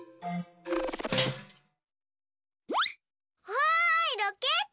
わいロケット！